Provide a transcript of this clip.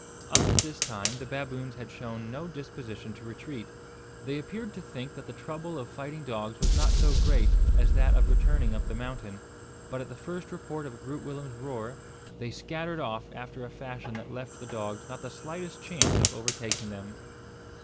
Up to this time the baboons had shown no disposition to retreat. They appeared to think that the trouble of fighting dogs was not so great as that of returning up the mountain; but at the first report of Groot Willem's roer, they scattered off after a fashion that left the dogs not the slightest chance of overtaking them.